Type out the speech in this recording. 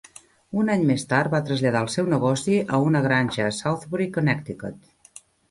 Un any més tard, va traslladar el seu negoci a una granja a Southbury, Connecticut.